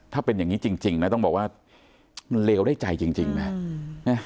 ถ้าเป็นอย่างนี้จริงนะต้องบอกว่ามันเลวได้ใจจริงนะ